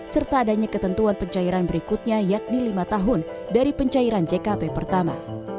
serta adanya ketentuan pencairan berikutnya yakni lima tahun dari pencairan jkp pertama